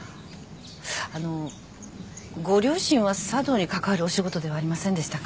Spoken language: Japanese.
あのご両親は茶道に関わるお仕事ではありませんでしたか？